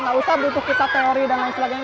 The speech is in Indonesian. nggak usah butuh kita teori dan lain sebagainya